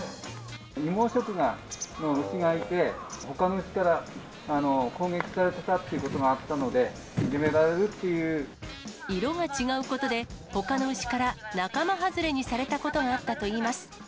異毛色の牛がいて、ほかの牛から攻撃されてたっていうことがあったので、いじめられるってい色が違うことで、ほかの牛から仲間外れにされたことがあったといいます。